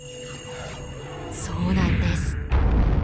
そうなんです！